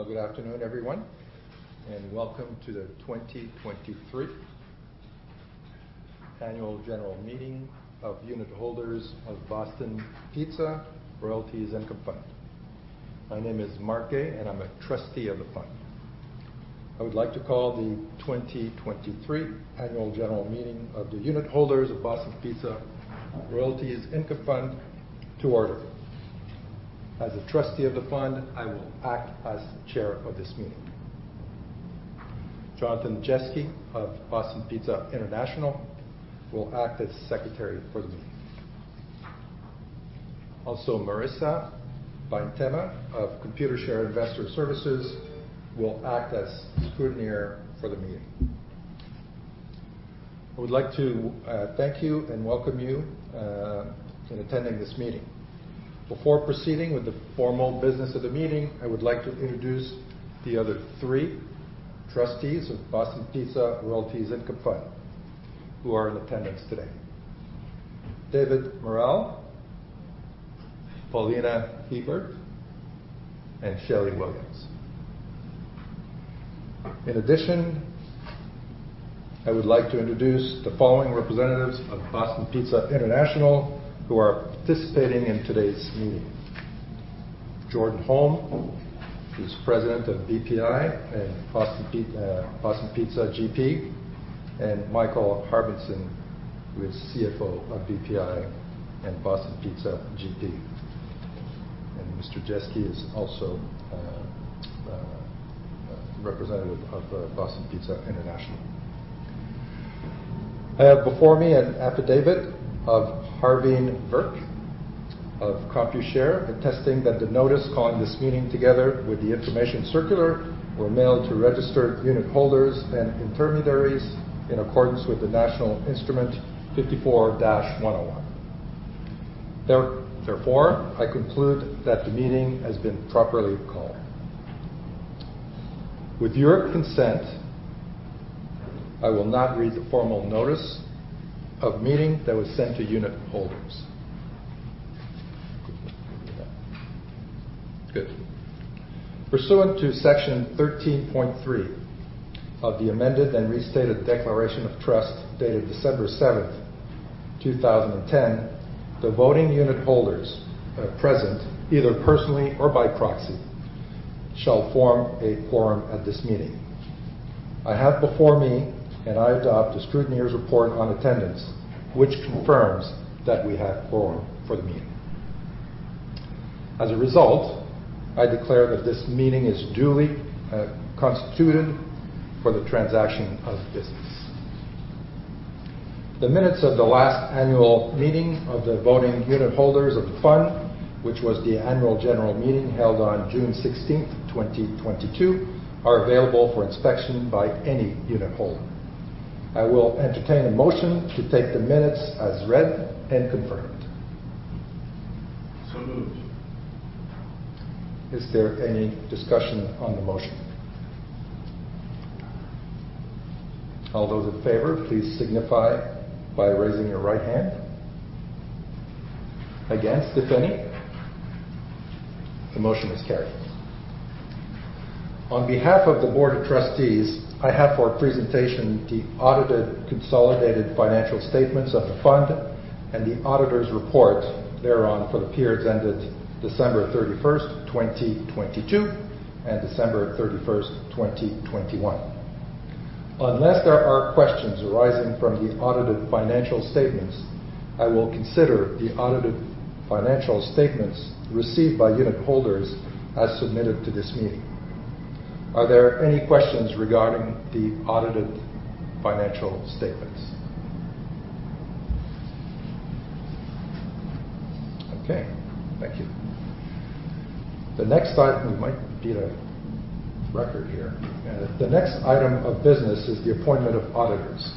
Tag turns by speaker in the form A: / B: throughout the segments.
A: Well, good afternoon, everyone, and welcome to the 2023 Annual General Meeting of unitholders of Boston Pizza Royalties Income Fund. My name is Marc Guay, and I'm a Trustee of the fund. I would like to call the 2023 Annual General Meeting of the unitholders of Boston Pizza Royalties Income Fund to order. As a Trustee of the fund, I will act as Chair of this meeting. Jonathan Jeske of Boston Pizza International Inc. will act as Secretary for the meeting. Marissa Bientema of Computershare Investor Services Inc. will act as Scrutineer for the meeting. I would like to thank you and welcome you in attending this meeting. Before proceeding with the formal business of the meeting, I would like to introduce the other three Trustees of Boston Pizza Royalties Income Fund, who are in attendance today: David Merrell, Paulina Hiebert, and Shelley Williams. In addition, I would like to introduce the following representatives of Boston Pizza International who are participating in today's meeting. Jordan Holm, who's President of BPI and Boston Pizza GP, Michael Harbinson, who is CFO of BPI and Boston Pizza GP. Mr. Jeske is also a representative of Boston Pizza International. I have before me an affidavit of Harveen Virk of Computershare, attesting that the notice calling this meeting, together with the information circular, were mailed to registered unitholders and intermediaries in accordance with the National Instrument 54-101. Therefore, I conclude that the meeting has been properly called. With your consent, I will not read the formal notice of meeting that was sent to unitholders. Good. Pursuant to Section 13.3 of the amended and restated declaration of trust, dated December 7, 2010, the voting unitholders, present, either personally or by proxy, shall form a quorum at this meeting. I have before me, and I adopt, the scrutineer's report on attendance, which confirms that we have quorum for the meeting. As a result, I declare that this meeting is duly constituted for the transaction of business. The minutes of the last annual meeting of the voting unitholders of the fund, which was the annual general meeting held on June 16, 2022, are available for inspection by any unitholder. I will entertain a motion to take the minutes as read and confirmed.
B: So moved.
A: Is there any discussion on the motion? All those in favor, please signify by raising your right hand. Against, if any? The motion is carried. On behalf of the board of trustees, I have for presentation the audited consolidated financial statements of the fund and the auditor's report thereon for the periods ended December 31st, 2022, and December 31st, 2021. Unless there are questions arising from the audited financial statements, I will consider the audited financial statements received by unitholders as submitted to this meeting. Are there any questions regarding the audited financial statements? Okay, thank you. The next item... We might beat a record here. The next item of business is the appointment of auditors.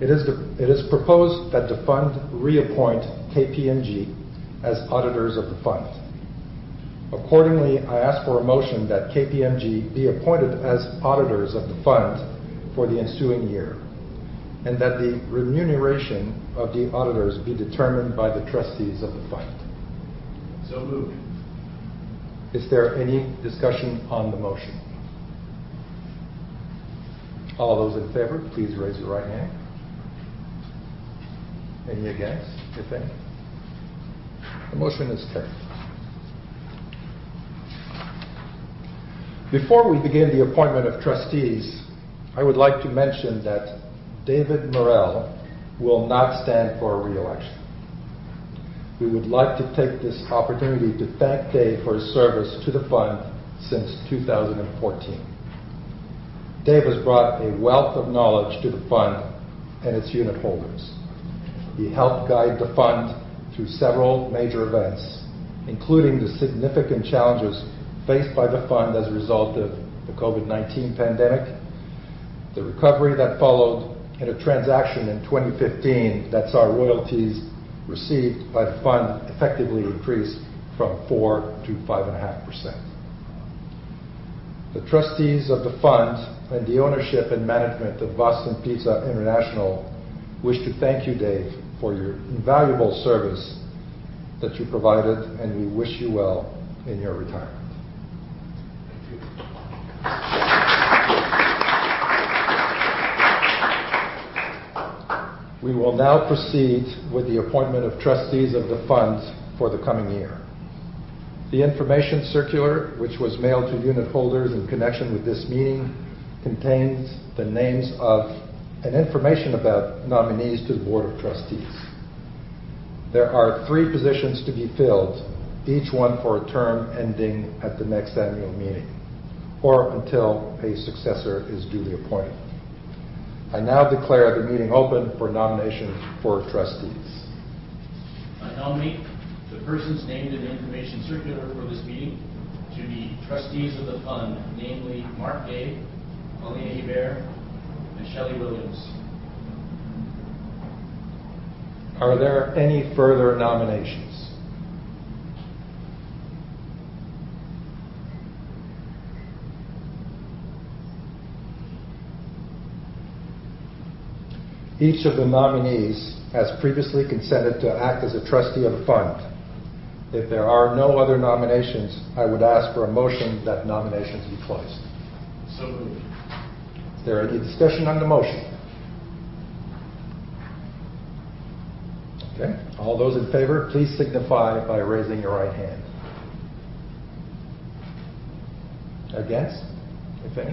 A: It is proposed that the fund reappoint KPMG as auditors of the fund. Accordingly, I ask for a motion that KPMG be appointed as auditors of the fund for the ensuing year, and that the remuneration of the auditors be determined by the trustees of the fund.
B: So moved.
A: Is there any discussion on the motion? All those in favor, please raise your right hand. Any against, if any? The motion is carried. Before we begin the appointment of trustees, I would like to mention that David Merrell will not stand for re-election. We would like to take this opportunity to thank Dave for his service to the fund since 2014. Dave has brought a wealth of knowledge to the fund and its unitholders. He helped guide the fund through several major events, including the significant challenges faced by the fund as a result of the COVID-19 pandemic, the recovery that followed, and a transaction in 2015, that's our royalties received by the fund, effectively increased from 4%-5.5%. The trustees of the fund and the ownership and management of Boston Pizza International wish to thank you, Dave, for your invaluable service.... that you provided, and we wish you well in your retirement.
B: Thank you.
A: We will now proceed with the appointment of trustees of the Fund for the coming year. The information circular, which was mailed to unit holders in connection with this meeting, contains the names of, and information about nominees to the Board of Trustees. There are three positions to be filled, each one for a term ending at the next annual meeting or until a successor is duly appointed. I now declare the meeting open for nominations for trustees.
B: I nominate the persons named in the information circular for this meeting to be trustees of the Fund, namely, Marc Guay, Paulina Hiebert, and Shelley Williams.
A: Are there any further nominations? Each of the nominees has previously consented to act as a trustee of the Fund. If there are no other nominations, I would ask for a motion that nominations be closed.
B: So moved.
A: Is there any discussion on the motion? All those in favor, please signify by raising your right hand. Against, if any?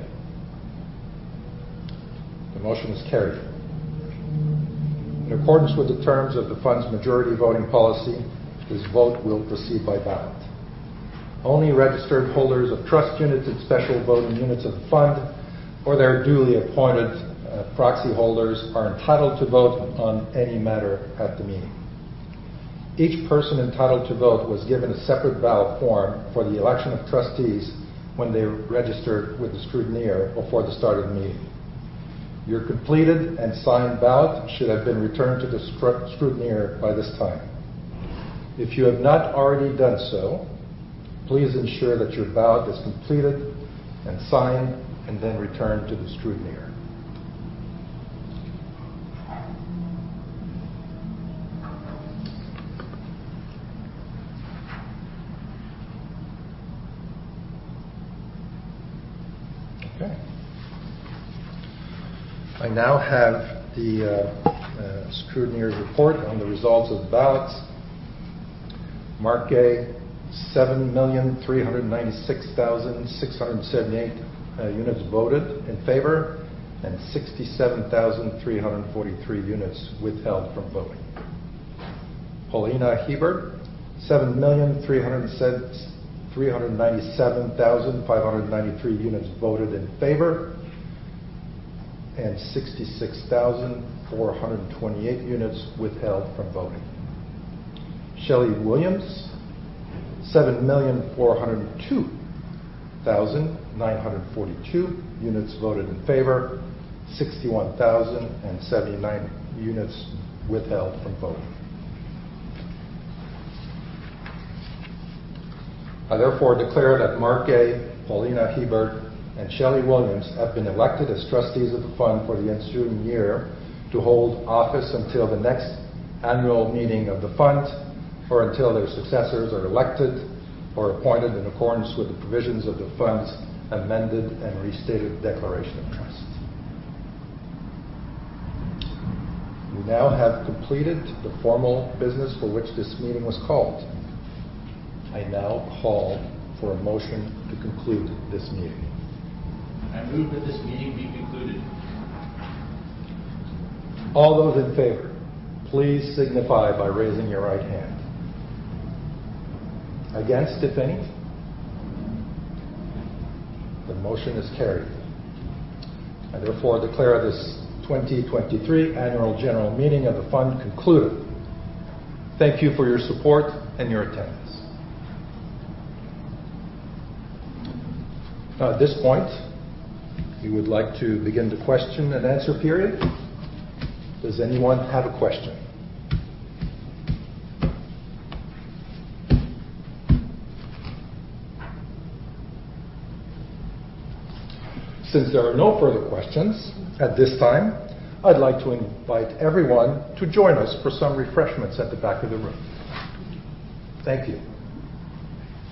A: The motion is carried. In accordance with the terms of the Fund's majority voting policy, this vote will proceed by ballot. Only registered holders of trust units and special voting units of the Fund, or their duly appointed proxy holders, are entitled to vote on any matter at the meeting. Each person entitled to vote was given a separate ballot form for the election of trustees when they registered with the scrutineer before the start of the meeting. Your completed and signed ballot should have been returned to the scrutineer by this time. If you have not already done so, please ensure that your ballot is completed and signed, and then returned to the scrutineer. I now have the scrutineer's report on the results of the ballots. Marc Guay, 7,396,678 units voted in favor, and 67,343 units withheld from voting. Paulina Hiebert, 7,397,593 units voted in favor, and 66,428 units withheld from voting. Shelley Williams, 7,402,942 units voted in favor, 61,079 units withheld from voting. I therefore declare that Marc Guay, Paulina Hiebert, and Shelley Williams have been elected as trustees of the Fund for the ensuing year, to hold office until the next annual meeting of the Fund or until their successors are elected or appointed in accordance with the provisions of the Fund's amended and restated declaration of trust. We now have completed the formal business for which this meeting was called. I now call for a motion to conclude this meeting.
B: I move that this meeting be concluded.
A: All those in favor, please signify by raising your right hand. Against, if any? The motion is carried. I therefore declare this 2023 annual general meeting of the Fund concluded. Thank you for your support and your attendance. At this point, we would like to begin the question and answer period. Does anyone have a question? Since there are no further questions at this time, I'd like to invite everyone to join us for some refreshments at the back of the room. Thank you.